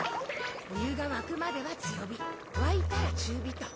おゆがわくまではつよびわいたらちゅうびと。